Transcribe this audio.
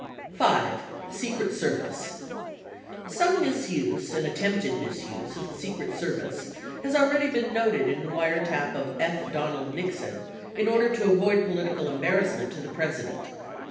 5. SECRET SERVICE Some misuse and attempted misuse of the Secret Service has already been noted in the wiretap of F. Donald Nixon in order to avoid po litical embarrassment to the President.